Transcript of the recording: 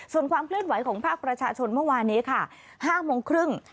ส่วนความเคลื่อนไหวของภาคประชาชนเมื่อวานนี้ค่ะ๕โมงครึ่ง